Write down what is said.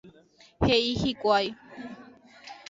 He'i hikuái.